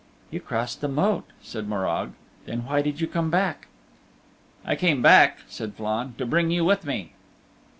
"You crossed the moat," said Morag, "then why did you come back?" "I came back," said Flann, "to bring you with me."